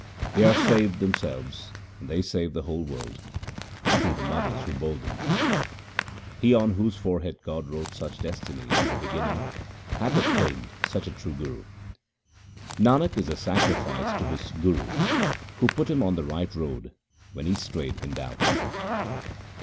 They are saved themselves and they save the whole world ; happy the mothers who bore them. He on whose forehead God wrote such destiny in the beginning, hath obtained such a true Guru. Nanak is a sacrifice to his Guru who put him on the right road when he strayed in doubt.